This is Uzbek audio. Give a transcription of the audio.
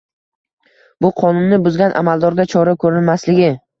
Bu qonunni buzgan amaldorga chora ko‘rilmasligi.